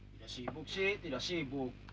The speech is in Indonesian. tidak sibuk sih tidak sibuk